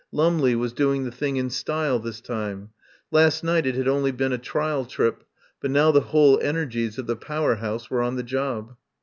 Lumley was doing the thing in style this time. Last night it had only been a trial trip, but now the whole en ergies of the Power House were on the job.